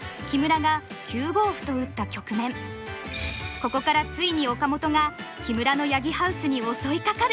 ここからついに岡本が木村の八木ハウスに襲いかかる！